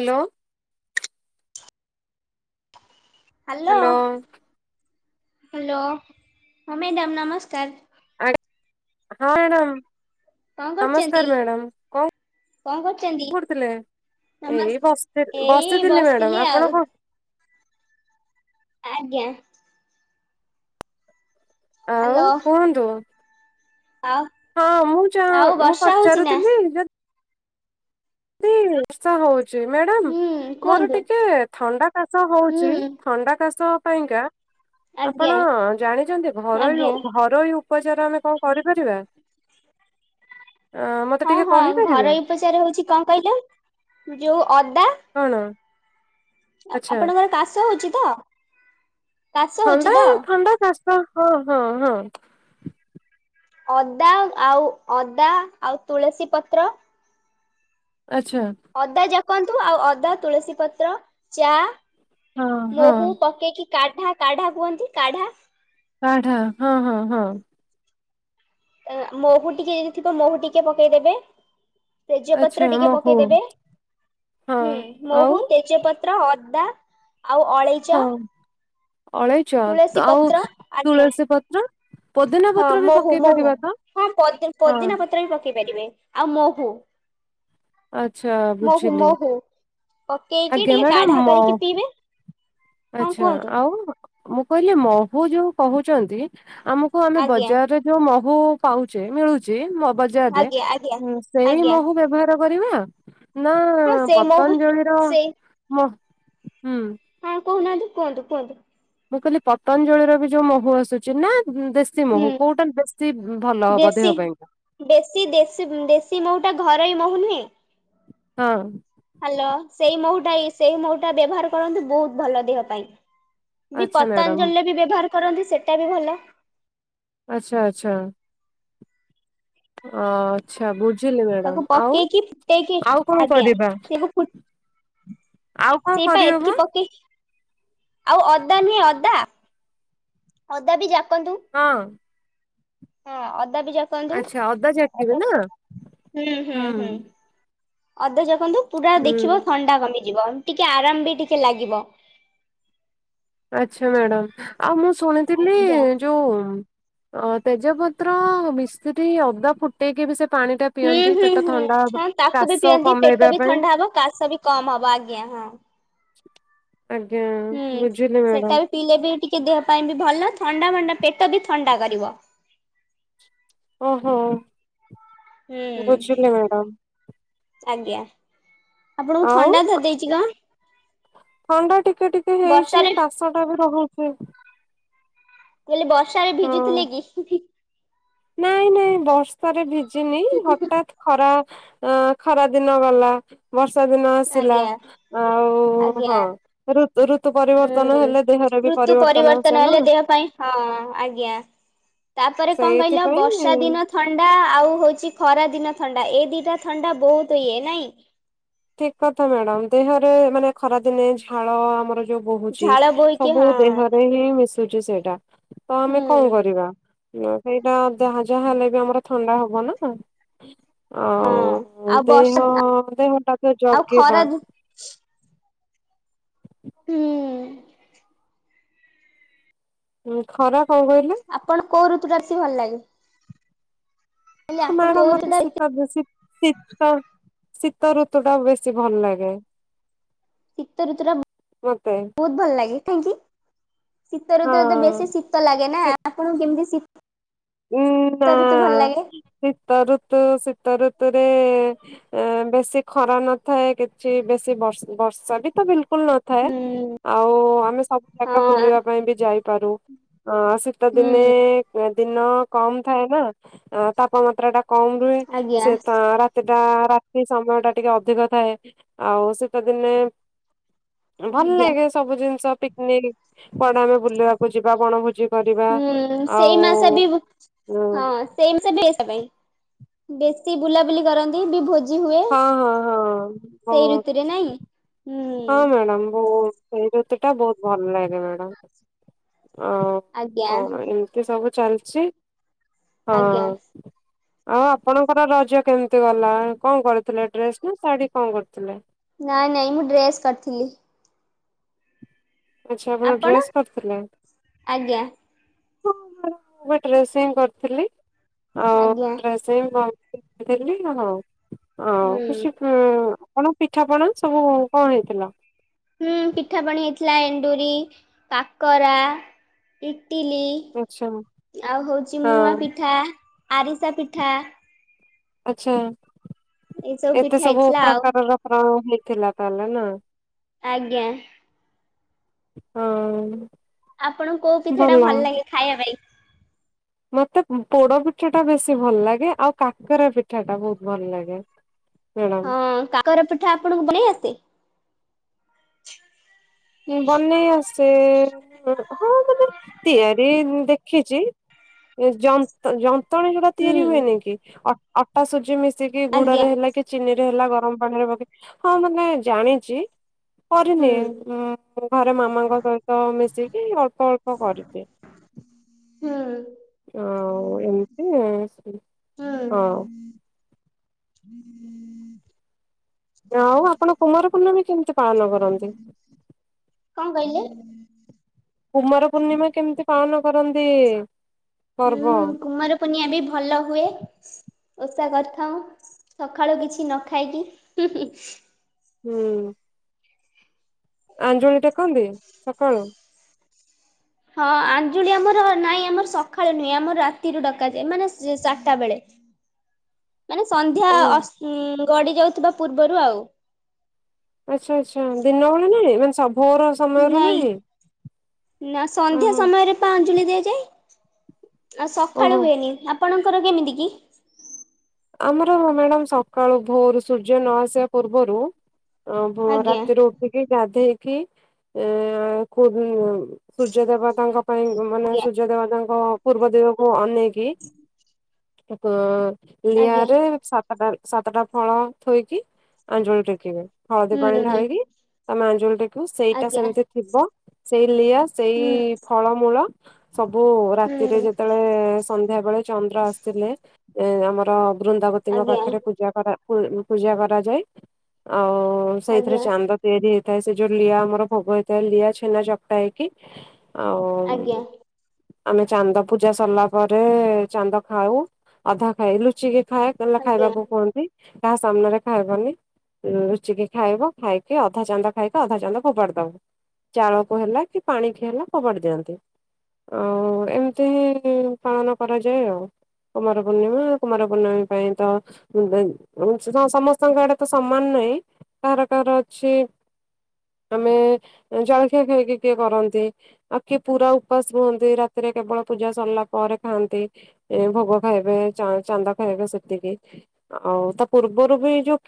Hello. Hello. Hello ହଁ madam ନମସ୍କାର। ଆଜ୍ଞା ହଁ ମ୍ୟାଡ଼ାମ କଣ କରୁଚନ୍ତି ନମସ୍କାର ମ୍ୟାଡ଼ାମ କଣ କଣ କରୁଚନ୍ତି? କରୁଥିଲେ ଏଇ ନମସ୍କାର ବସି ଏଇ ବସିଥିଲି ମ୍ୟାଡାମ ଆଉ ଆପଣ କଣ ଆଜ୍ଞା। ଆଉ ହାଲୋ କୁହନ୍ତୁ। ଆଉ ହଁ ମୁଁ ଯ ଆଉ ମୁଁ ବର୍ଷା ହଉଚି ନା? ପଚାରୁଥିଲି ଯଦି ତି ବର୍ଷା ହଉ ଚି ମ୍ୟାଡ଼ାମ ହୁଁ ମୋର କୁହନ୍ତୁ ଟିକେ ଥଣ୍ଡା କାଶ ହୁଁ ହଉଚି ଥଣ୍ଡା କାଶ ପାଇଁକା ଆଜ୍ଞା ଆପଣ ଜାଣିଛନ୍ତି ଘରୋଇ ଲୋ ଆଜ୍ଞା। ଘରୋଇ ଉପଚାର ଆମେ କଣ କରିପାରିବା? ହଁ ଟିକେ ହଁ କହିପାରିବେ ଘରୋଇ ଉପଚାର ହଉଛି କଣ କହିଲେ ଯୋଉ ଅଦା। କଣ? ଆଚ୍ଛା ଆପଣଙ୍କର କାଶ ହଉଛି ତ? କାଶ ହଉଚି ଥଣ୍ଡା ତ? ଥଣ୍ଡା କାଶ ହଁ ହଁ ହଁ। ଅଦା ଆଉ ଅଦା ଆଉ ତୁଳସୀ ପତ୍ର ଆଛା। ଅଦା ଜାକନ୍ତୁ ଆଉ ଅଦା, ତୁଳସୀ ପତ୍ର, ଚା, ହଁ ହଁ। ମହୁ ପକେଇକି କାଢା କାଢା କୁହନ୍ତି କାଢା କଢା ହଁ ହଁ ହଁ। ମହୁ ଟିକେ ଯଦି ଥିବ ମହୁ ଟିକେ ପକେଇଦେବେ। ଆଚ୍ଛା ତେଜପତ୍ର ଟିକେ ମହୁ ପକେଇଦେବେ ହଁ ହୁଁ ଆଉ ମହୁ ତେଜପ ତ୍ର ଅଦା ଆଉ ଅଳେଇ ହଁ ଅଳେଇଚ ତୁଳସୀ ଆଉ ପତ୍ର ଆଜ୍ଞା ତୁଳସୀ ପତ୍ର? ପୋଦିନା ହଁ ପତ୍ର ବି ମହୁ ପକେଇ ମହୁ ପାରିବା ତ? ହଁ ପୋଦି ହଁ ପୋଦିନା ପତ୍ର ବି ପକେଇ ପାରିବେ ଆଉ ମହୁ। ଆଚ୍ଛା ମହୁ ବୁଝିଲି ମହୁ ପକେଇକି ଆଜ୍ଞା ଟିକେ ମ୍ୟାଡାମ କାଢା ମ କରିକି ପିଇବେ। ହଁ ଆଚ୍ଛା କୁହନ୍ତୁ ଆଉ ମୁଁ କହିଲି ମହୁ ଯୋଉ କହୁଛନ୍ତି ଆମ କୁ ଆମେ ଆଜ୍ଞା ବଜାରରେ ଯୋଉ ମହୁ ପାଉଛେ ମିଳୁଛି ମୁ ଆବାଜ୍ ଜାର ରେ ଆଜ୍ଞା ଆଜ୍ଞା ଉଁ ସେଇ ଆଜ୍ଞା ମହୁ ବ୍ୟବହାର କରିବା। ନା ହଁ ସେଇ ମହୁ ପତଞ୍ଜଳିର ସେଇ ମ ହୁଁ। ହଁ କହୁନାହାନ୍ତି କୁହନ୍ତୁ କୁହନ୍ତୁ। ମୁଁ କହିଲି ପତଞ୍ଜଳି ର ବି ଯୋଉ ମହୁ ଆସୁଛି ନା ଦେ ଶୀ ମହୁ ହୁଁ କୋଉଟା ବେଶୀ ଭଲ ହବ ଦେଶୀ ଦେହ ପାଇଁକା? ଦେଶୀ ଦେଶୀ ଦେଶୀ ମହୁ ଟା ଘରୋଇ ମହୁ ନୁହେଁ। ହଁ। ହ୍ୟାଲୋ ସେଇ ମହୁଟା ସେଇ ମହୁଟା ବ୍ୟବହାର କରନ୍ତୁ ବହୁତ ଭଲ ଦେହ ପାଇଁ। ବି ଆଚ୍ଛା ମ୍ୟାଡାମ ପତାଞ୍ଜଳିର ବି ବ୍ୟବହାର କରନ୍ତି ସେଟା ବି ଭଲ। ଆଚ୍ଛା ଆଚ୍ଛା। ଆଚଛା ବୁଝିଲି ତାକୁ ମ୍ୟାଡାମ ଆଉ ପକେଇକି ଫୁଟେଇକି ଆଉ କଣ କରିବା? ଆଉ କଣ ସେଇପା କରିହବ ଏତିକି ପକେଇ ଆଉ ଅଦା ନୁହେଁ ଅଦା ଅଦା ବି ଜାକନ୍ତୁ। ହଁ। ହଁ ଅଦା ବି ଜାକନ୍ତୁ ଆଚ୍ଛା ଅଦା ଛାଟିବେ ନା ହୁଁ ହୁଁ ହୁଁ ଅଦା ଜାକନ୍ତୁ ପୁରା ହୁଁ ଦେଖିବ ଥଣ୍ଡା କମିଯିବ ଟିକେ ଆରାମ ବି ଟିକେ ଲାଗିବ। ଆଚ୍ଛା ମ୍ୟାଡ଼ାମ ଆଉ ମୁଁ ଶୁଣିଥିଲି ଆଜ୍ଞା। ଯୋଉ ଅ ତେଜପତ୍ର ମିଶ୍ରି ଅଦା ଫୁଟେଇକି ବି ସେ ପାଣି ଟା ହୁଁ ପିଅନ୍ତି ହୁଁ ପେଟ ହୁଁ ଥଣ୍ଡା ହବ ହଁ ତାକୁ ବି କାଶ ପିଅନ୍ତି କମେଇବା ପେଟ ବି ପାଇଁ ଥଣ୍ଡା ହବ କାଶ ବି କମ ହବ ଆଜ୍ଞା ହଁ। ଆଜ୍ଞା। ହୁଁ ବୁଝିଲି ମ୍ୟାଡାମ ସେଟା ବି ପିଇଲେ ବି ଟିକେ ଦେହ ପାଇଁ ବି ଭଲ ଥଣ୍ଡା ମଣ୍ଡା ପେଟ ବି ଥଣ୍ଡା କରିବ। ଓହୋ। ହୁଁ ବୁଝିଲି ମ୍ୟାଡାମ ଆଜ୍ଞା ଆପଣଙ୍କୁ ଆଉ ଥଣ୍ଡା ଧରଦେଇଛି କଣ। ଥଣ୍ଡା ଟିକେ ଟିକେ ହେଇଚି ବର୍ଷାରେ କାଶ ଟା ବି ରହୁଛି। କହିଲି ବର୍ଷାରେ ହଁ ଭିଜୁଥିଲେ କି? ନାଇଁ ନାଇଁ ବର୍ଷାରେ ଭିଜିିନି ହଠାତ୍ ଖରା ଅଁ ଖରା ଦିନ ଗଲା ବର୍ଷା ଦିନ ଆସିଲା ଆଜ୍ଞା ଆଉ ଆଜ୍ଞା ହଁ ଋତୁ ଋତୁ ପରିବର୍ତନ ହୁଁ। ହେଲେ ଦେହରେ ବି ଋତୁ ପରିବର୍ତ୍ତନ ଆସେ ନା? ହେଲେ ଦେହ ପାଇଁ ହଁ ଆଜ୍ଞା ତାପରେ କଣ କହିଲ ବର୍ଷା ସେଇଥିପାଇଁ ଦିନ ଥଣ୍ଡା ଆଉ ହଉଛି ଖରାଦିନ ଥଣ୍ଡା ଏ ଦିଟା ଥଣ୍ଡା ବହୁତ ଇଏ ନାଇଁ? ଠିକ କଥା ମ୍ୟାଡାମ ଦେହରେ ମାନେ ଖରାଦିନେ ଝାଳ ଆମର ଜଉ ବହୁଛି ଝାଳ ବୋହିକି ସବୁବେଳେ ହଁ ଦେହରେ ହିଁ ମିଶୁଛି ସେଇଟା ତ ଆମେ ହୁଁ କଣ କରିବା। ସେଇଟା ଯାହା ଯାହା ହେଲେ ବି ଆମର ଥଣ୍ଡା ହବ ନା। ହଁ ଆଉ ଦେହ ଦେହ ଟାକୁ ଆଉ ଖରା ଜଗିବା। ହୁଁ ଉଁ। ଉଁ ଖରା କଣ କହିଲେ। ଆପଣ କୋଉ ଋତୁଟା ଏସି ଭଲ ଲାଗେ? କହିଲେ ଆପଣ ମ୍ୟାଡ଼ାମ କୋଉ ଋତୁ ଟା ମତେ ବେଶୀ ଶୀତ ଶୀତ ଶୀତ ଋତୁ ଟା ବେଶୀ ଭଲ ଲାଗେ। ଶୀତ ଋତୁର ମତେ ବହୁତ ଭଲ ଲାଗେ କାହିଁକି? ଶୀତଋତୁରେ ତ ବେଶୀ ହଁ ଶୀତ ଲାଗେ ନା ଆପଣଙ୍କୁ କେମିତି ଶୀ ଉଁ ନା ଲାଗେ? ଶୀତ ଋତୁ ଶୀତ ଋତୁରେ ଏ ବେଶୀ ଖରା ନଥାଏ କିଛି ବେଶୀ ବର୍ଷା ବି ତ ବିଲ କୁଲ ନଥାଏ ହୁଁ ଆଉ ଆମେ ସବୁ ଜାଗା ହଁ ବୁଲିବା ପାଇଁ ବି ଯାଇପାରୁ। ହଁ ଶୀତ ହୁଁ ଦିନେ ଦିନ କମ ଥାଏ ନା ତାପମାତ୍ରା ଟା କମ ରୁହେ ଆଜ୍ଞା। ସେତ ରା ସେଟା ରାତି ସମୟ ଟା ଟିକେ ଅଧିକ ଥାଏ ଆଉ ଶୀତ ଦିନେ ଭଲ ଆଜ୍ଞା ଲାଗେ ସବୁ ଜିନିଷ ପିକନିକ କୁଆଡେ ଆମେ ବୁଲିବାକୁ ଯିବା ବଣ ଭୋଜି ହୁଁ ସେଇ ମାସରେ ହଁ ସେମ ସେ ପାଇଁ ବେଶୀ ବୁଲାବୁଲି କରନ୍ତି ବି ଭୋ ଜି ହୁଏ ହଁ ହଁ ହଁ ସେଇ ଋତୁରେ ନାଇଁ? ହୁଁ। ନମ [inaudible] ସେଇ ଋତୁଟା ବହୁତ ଭଲ ଲାଗେ ମ୍ୟାଡାମ ଆଉ ଆଜ୍ଞା କଣ ଇ ମିତ ସବୁ ଚାଲିଛି ହଁ। ଆଜ୍ଞା। ଆଉ ଆପଣଙ୍କର ରଜ କେମିତି ଗଲା କଣ କରିଥିଲେ ଡ୍ରେସ ନା ଶାଢୀ କଣ କରିଥିଲେ? ନାଇଁ ନାଇଁ ମୁଁ ଡ୍ରେସ୍ କରିଥିଲି। ଆଚ୍ଛା ଆପଣ ଡ୍ରେସ୍ କରିଥିଲେ। ଆଜ୍ଞା ହଁ ମାଡାମ ମୁଁ ଡ୍ରେସ ହିଁ କରିଥିଲି। ଆଜ୍ଞା। ହଉ ଆଉ ହୁଁ। କିଛି [unintelligible] ପିଠା ପଣା ସବୁ କଣ ହେଇଥିଲା? ହୁଁ ପିଠାପଣି ହେଇଥିଲା ଏଣ୍ଡୁରି କାକରା ଇଟିଲି ଆଚ୍ଛା ହଁ ଆଉ ହଉଛି ମୁଆଁପିଠା, ଆରିସା ପିଠା। ଆଛା ଏଇସବୁ ଏତେ ପିଠା ସବୁ ହେଇଥିଲା ଆଉ ପ୍ରକାରର ପ୍ରୟୋଗ ହେଇଥିଲା ତାହେଲେ ନା? ଆଜ୍ଞା। ହଁ। ଆପଣଙ୍କୁ କୋଉ ପିଠାଟା ଭଲ ଲାଗେ ଖାଇବା ପାଇଁ? ମତେ ପୋଡ ପିଠା ଟା ବେଶୀ ଭଲ ଲାଗେ ଆଉ କାକରା ପିଠା ଟା ବହୁତ ଭଲ ଲାଗେ। ମ୍ୟାଡ଼ାମ ହଁ କାକର ପିଠା ଆପଣଙ୍କୁ ବନେଇ ଆସେ? ହୁଁ ବନେଇ ଆସେ ହଁ ମତେ ତିଆରି ଦେଖିଛି ଯନ୍ତ ଜନ୍ତି ନ୍ତଣି ଯଉଟା ତିଆରି ହୁଁ ହୁଏନି କି ଅଟା ସୁଜି ମିଶିକି ଆଜ୍ଞା ଗୁଡରେ ହେଲା କି ଚିନିରେ ହେଲା ଗରମ ପାଣିରେ ପକେଇ ହଁ ମାନେ ଜାଣିଛି ହୁଁ କରିନି ଘରେ ମାମାଙ୍କ ସହିତ ମିଶିକି ଅଳ୍ପ ଅଳ୍ପ କରିଚି। ହୁଁ। ଆଉ ଏମିତି ହଁ। ହୁଁ ଆଉ ଆପଣ କୁମାର ପୂର୍ଣ୍ଣମୀ କେମିତି ପାଳନ କରନ୍ତି? କଣ କହିଲେ? କୁମାର ପୂର୍ଣ୍ଣିମା କେମିତି ପାଳନ କରନ୍ତି? ପର୍ବ? ହୁଁ କୁମାର ପୁନିଆ ବି ଭଲ ହୁଏ। ଓଷା କରିଥାଉ ସକାଳୁ କିଛି ନ ଖାଇକି। ହୁଁ। ଆଞ୍ଜୁଳି ଟେକନ୍ତି ସକାଳୁ? ହଁ ଆଞ୍ଜୁଳି ଆମର ନାଇଁ ଆମର ସକାଳୁ ନୁହେଁ ଆମର ରାତିରୁ ଡକାଯାଏ ମାନେ ଚାରିଟା ବେଳେ। ମାନେ ସନ୍ଧ୍ୟା ଓହୋ ଗଡି ଯାଉଥିବା ପୂର୍ବରୁ ଆଉ। ଆଚ୍ଛା ଆଛା ଦିନ ବେଳା ନୁହେଁ ମାନେ ସବୁର ନାଇଁ ନା ସନ୍ଧ୍ୟା ଓହୋ ସମୟରେ ଆଞ୍ଜୁଳି ଦିଆଯାଏ ଆଉ ସକାଳୁ ଓହୋ ହୁଏନି ଆପଣଙ୍କର କେମିତି କି? ଆମର ମ୍ୟାଡାମ ସକାଳୁ ଭୋରୁ ସୂର୍ଯ୍ୟ ନ ଆସିବା ପୂର୍ବରୁ। ଅ ଆଜ୍ଞା ରାତିରୁ ଉଠିକି କି ଗାଧେଇକି ସୂର୍ଯ୍ୟ ଦେବତାଙ୍କ ପାଇଁ ମାନେ ଆଜ୍ଞା ସୂର୍ଯ୍ୟ ଦେବତାଙ୍କ ପୂର୍ବ ଦିଗକୁ ଅନେଇକି ଏପ ଆଜ୍ଞା ଲିଆରେ ସା ଟା ସାତଟା ଫଳ ଥୋଇକି ଆଞ୍ଜୁଳି ଟେକିବେ, ହଳଦୀ ପାଣି ହୁଁ। ଢାଳିକି ଆମେ ଅଞ୍ଜୁଳି ଟେକିବୁ, ସେଇଟା ଆଜ୍ଞା ସେମିତି ଥିବ ସେଇ ଲିଆ ସେଇ ହୁଁ ଫଳମୂଳ। ସବୁ ରାତିରେ ହୁଁ ଯେତେବେଳେ ସନ୍ଧ୍ୟା ବେଳେ ଚନ୍ଦ୍ର ଆସିଥିଲେ ଏ ଆମର ବୃନ୍ଦାବତୀଙ୍କ ଆଜ୍ଞା ପାଖରେ ପୂଜା କରା ପୂଜା କରାଯାଏ ଆଉ ସେଇଥିରେ ଆଜ୍ଞା ଚାନ୍ଦ ତିଆରି ହେଇଥାଏ ସେ ଯୋଉ ଲିଆ ଆମର ଭୋଗ ହେଇଥାଏ, ଲିଆ ଛେନା ଚକଟା ହେଇକି। ଆଉ ଆଜ୍ଞା। ଆମେ ଚାନ୍ଦ ପୂଜା ସରିଲା ପରେ ଚାନ୍ଦ ଖାଉ ଅଧା ଖାଇଏ ଲୁଚିକି ଖାଏ। ତାଲେ ଆଜ୍ଞା। ଖାଇବାକୁ କୁହନ୍ତି କାହା ସାମ୍ନାରେ ଖାଇବନି। ଲୁଚିକି ଖାଇବ ଖାଇକି ଅଧା ଚାନ୍ଦ ଖାଇକି ଅଧା ଚାନ୍ଦ ଫୋପାଡି ଦବ। ଚାଳକୁ ହେଲା କି ପାଣିିକି ହେଲା ଫୋପାଡି ଦିଅନ୍ତି। ଅଁ ଏମତି ପାଳନ କରାଯାଏ ଆଉ କୁମାର ପୂର୍ଣ୍ଣିମା। କୁମାର ପୂର୍ଣ୍ଣମୀ ପାଇଁ ତ ସମସ୍ତଙ୍କ ଆଡେ ତ ସମ୍ମାନ ନାହିଁ। କାହାର କାହାର ଅଛି ଆମେ ଜଳଖିଆ ଖାଇକି କିଏ କରନ୍ତି। ଆଉ କିଏ ପୁରା ଉପାସ ରୁହନ୍ତି ରାତିରେ କେବଳ ପୂଜା ସରିଲା ପରେ ଖାଆନ୍ତି। ଏ ଭୋଗ ଖାଇବେ ଚା ଚାନ୍ଦ ଖାଇବେ ସେତିକି, ଆଉ ତା ପୂର୍ବରୁ ବି ଯୋଉ